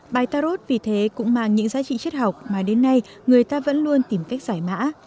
bài tarot vì thế cũng mang những giá trị chất học mà đến nay người ta vẫn luôn tìm cách giải mã